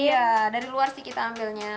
iya dari luar sih kita ambilnya